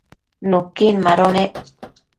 nuquin mado nec